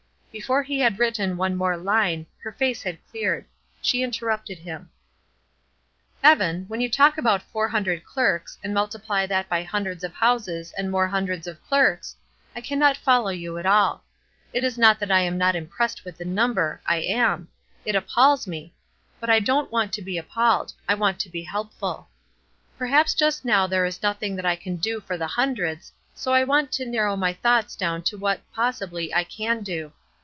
Before he had written one more line, her face had cleared. She interrupted him: "Evan, when you talk about four hundred clerks, and multiply that by hundreds of houses and more hundreds of clerks, I cannot follow you at all. It is not that I am not impressed with the number, I am, it appalls me; but I don't want to be appalled; I want to be helpful. Perhaps just now there is nothing that I can do for the hundreds, so I want to narrow my thoughts down to what, possibly, I can do.